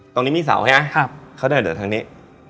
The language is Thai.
ตรงนี้มีเสาใช่ไหมครับเขาเดินเดินทางนี้